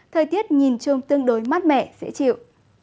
thời tiết nhìn chung tương đối mát mẻ dễ chịu